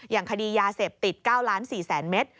อย่างคดียาเสพติด๙๔๐๐๐เมตร